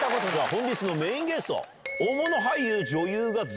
本日のメインゲスト。